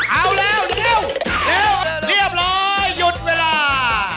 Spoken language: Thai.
เอาแล้วเร็วเรียบร้อยหยุดเวลา